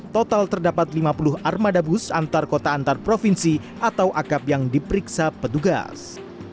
total terdapat lima puluh armada bus antar kota antar provinsi atau akap yang diperiksa petugas